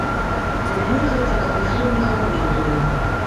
Для мяне гэта, каб ніхто мне галавы не дурыў.